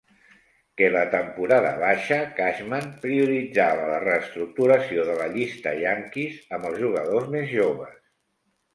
Que la temporada baixa, Cashman prioritzava la reestructuració de la llista Yankees amb els jugadors més joves.